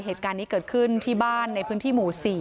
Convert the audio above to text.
เหตุการณ์นี้เกิดขึ้นที่บ้านในพื้นที่หมู่๔